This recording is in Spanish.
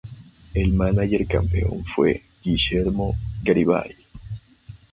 El mánager campeón fue Guillermo Garibay.